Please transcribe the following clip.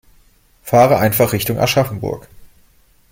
Fahre einfach Richtung Aschaffenburg